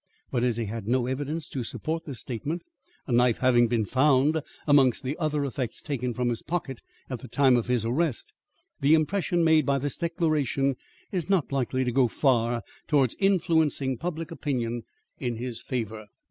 But, as he had no evidence to support this statement (a knife having been found amongst the other effects taken from his pocket at the time of his arrest), the impression made by this declaration is not likely to go far towards influencing public opinion in his favour.